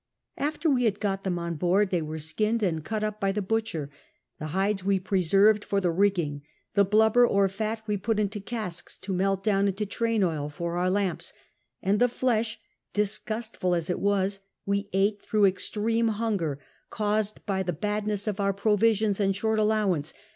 Aftcir we had got them on boanl they were skinned and cut up by the butcher; the hide.s we preserved for thl^ rigging, the blubber or fat we put into casks to molt down into train oil for our lamps ; and the Hush, disgustful as it was, we ate through extreme hunger, caused by the badness of our j>i'o visions and short allowance!